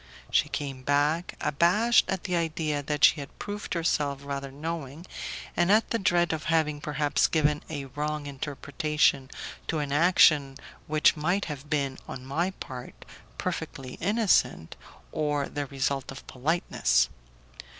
She came back, abashed at the idea that she had proved herself rather knowing, and at the dread of having perhaps given a wrong interpretation to an action which might have been, on my part, perfectly innocent, or the result of politeness.